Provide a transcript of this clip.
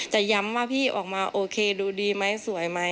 แต่ย้ำว่าพี่ออกมาโอเคดูดีมั้ยสวยมั้ย